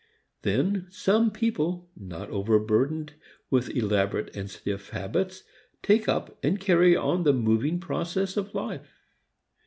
Then some people not overburdened with elaborate and stiff habits take up and carry on the moving process of life.